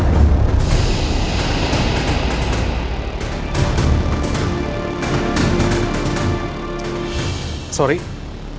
peganganzlich jokowi di jauhan